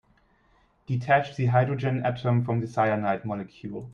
Detach the hydrogen atom from the cyanide molecule.